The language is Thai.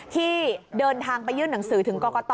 ที่เดินทางไปยื่นหนังสือถึงกรกต